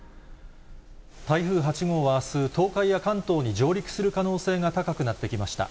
台風８号はあす、東海や関東に上陸する可能性が高くなってきました。